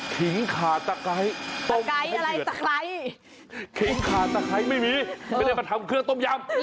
ขิงขาตะไกรไม่มีไม่ได้มาทำเครื่องต้มยำ